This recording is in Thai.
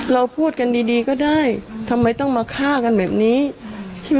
เราพูดกันดีดีก็ได้ทำไมต้องมาฆ่ากันแบบนี้ใช่ไหม